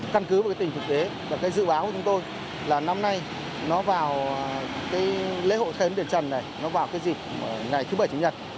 căn cứ về tình thực tế và dự báo của chúng tôi là năm nay nó vào lễ hội khai ấn đền trần này nó vào dịp ngày thứ bảy chủ nhật